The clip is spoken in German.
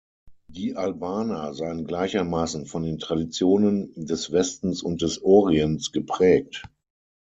Die Albaner seien gleichermaßen von den Traditionen des Westens und des Orients geprägt.